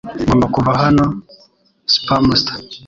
Ngomba kuva hano. (Spamster)